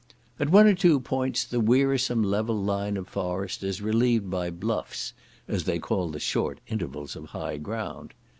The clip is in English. At one or two points the wearisome level line of forest is relieved by bluffs, as they call the short intervals of high ground.